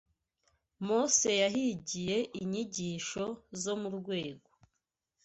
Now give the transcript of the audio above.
Mose yahigiye inyigisho zo mu rwego